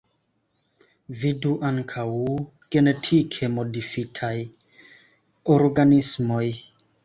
Vidu ankaŭ: Genetike modifitaj organismoj.